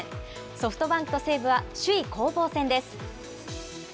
ソフトバンクと西武は首位攻防戦です。